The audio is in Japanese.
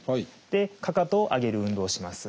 かかとを上げる運動をします。